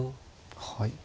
はい。